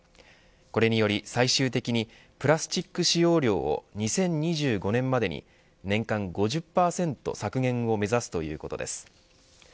これにより最終的にプラスチック使用量を２０２５年までに年間５０％削減を目指すということです。